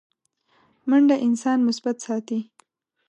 منډه انسان مثبت ساتي